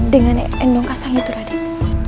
dengan endong kasang itu raden